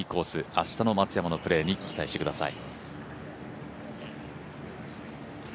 明日の松山のプレーに期待してください。